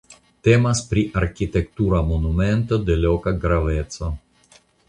Temas pri arkitektura monumento de loka graveco.